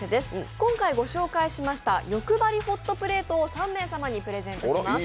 今回ご紹介しましたよくばりなホットプレートを３名様にプレゼントします。